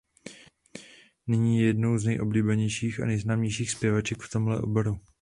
Nyní je jednou z neoblibenějších a nejznámějších zpavěček v tomhle oboru.